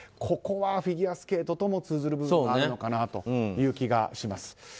ここはフィギュアスケートとも通ずる部分があるのかなという気がします。